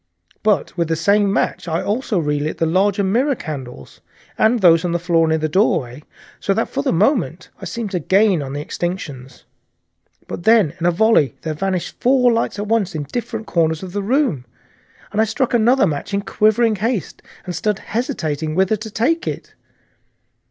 But with the same match I also relit the larger mirror candles, and those on the floor near the doorway, so that for the moment I seemed to gain on the extinctions. But then in a noiseless volley there vanished four lights at once in different corners of the room, and I struck another match in quivering haste, and stood hesitating whither to take it.